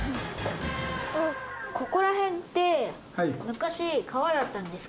ここら辺って昔川だったんですか？